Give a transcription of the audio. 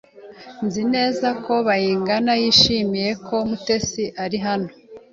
Nzi neza ko Bayingana yishimiye ko Mutesi ari hano.